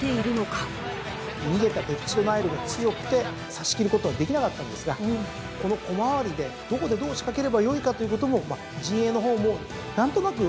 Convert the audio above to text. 逃げたペプチドナイルが強くて差し切ることができなかったんですがこの小回りでどこでどう仕掛ければよいかということも陣営の方も何となく分かってきてるんではないか。